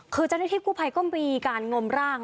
คือเจ้าหน้าที่กู้ภัยก็มีการงมร่าง